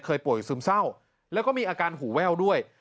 ป่วยซึมเศร้าแล้วก็มีอาการหูแว่วด้วย